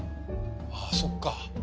ああそっか。